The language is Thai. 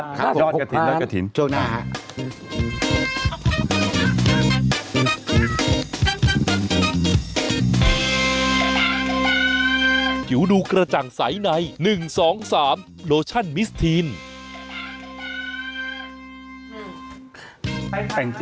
ยอดกระถิ่นยอดกระถิ่นโจ๊กหน้าฮะค่ะขอบคุณค่ะ